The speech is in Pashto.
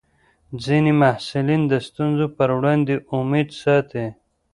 ځینې محصلین د ستونزو پر وړاندې امید ساتي.